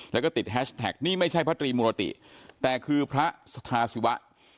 แล้วก็ติดแฮชแท็กนี่ไม่ใช่พระตรีมุรติแต่คือพระสถาศิวะ